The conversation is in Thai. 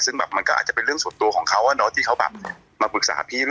ซึ่งแบบมันก็อาจจะเป็นเรื่องส่วนตัวของเขาที่เขาแบบมาปรึกษาพี่